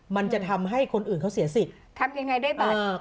มันจะทำให้คนอื่นเขาเสียสิทธิ์ทำยังไงได้บัตร